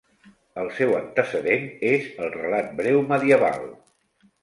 El seu antecedent és el relat breu medieval.